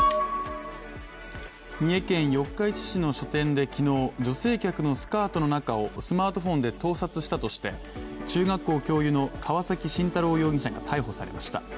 三重県四日市市の書店で昨日、女性客のスカートの中をスマートフォンで盗撮したとして、中学校教諭の川崎信太郎容疑者が逮捕されました。